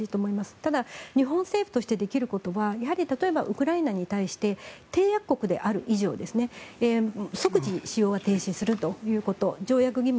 ただ日本政府としてできることはウクライナに対して締約国である以上即時、使用は停止すること。